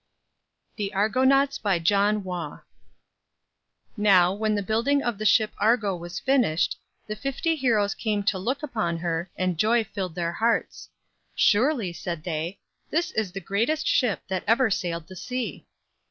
THE ARGONAUTS Now, when the building of the ship Argo was finished, the fifty heroes came to look upon her, and joy filled their hearts. "Surely," said they, "this is the greatest ship that ever sailed the sea."